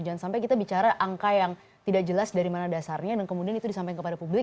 jangan sampai kita bicara angka yang tidak jelas dari mana dasarnya dan kemudian itu disampaikan kepada publik